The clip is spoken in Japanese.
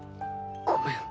ごめん。